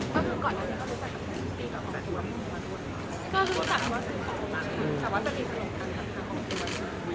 ค่ะก็น่าจะเป็นการเข้าใจผิด